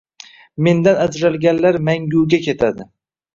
Mendan ajralganlar manguga ketadi